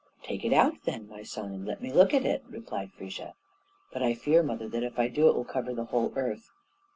"Take it out, then, my son, and let me look at it," replied Frigga. "But I fear, mother, that if I do it will cover the whole earth."